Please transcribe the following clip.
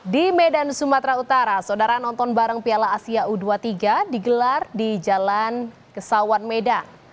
di medan sumatera utara saudara nonton bareng piala asia u dua puluh tiga digelar di jalan kesawan medan